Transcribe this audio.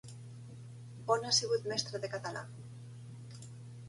On ha sigut mestra de català?